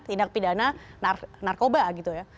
tindak pidana narkoba gitu ya